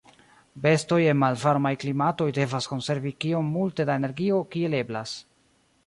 Bestoj en malvarmaj klimatoj devas konservi kiom multe da energio kiel eblas.